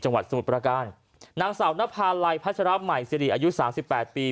สมุทรประการนางสาวนภาลัยพัชรใหม่สิริอายุสามสิบแปดปี